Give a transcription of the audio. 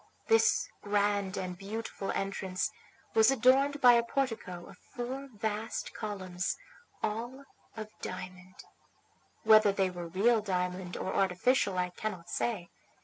This grand and beautiful entrance was adorned by a portico of four vast columns, all of diamond. Whether they were real diamond or artificial I cannot say.